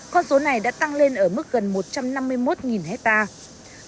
con số này đã tăng lên ở mức gần một trăm năm mươi một hectare